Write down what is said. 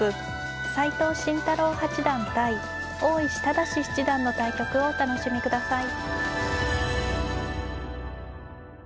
斎藤慎太郎八段対大石直嗣七段の対局をお楽しみください。